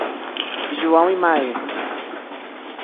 João e Marina